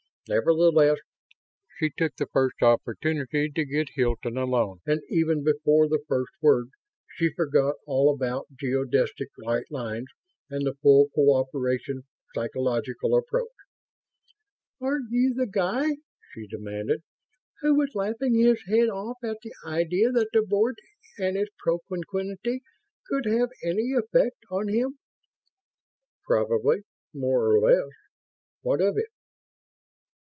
Nevertheless, she took the first opportunity to get Hilton alone; and, even before the first word, she forgot all about geodesic right lines and the full cooperation psychological approach. "Aren't you the guy," she demanded, "who was laughing his head off at the idea that the Board and its propinquity could have any effect on him?" "Probably. More or less. What of it?"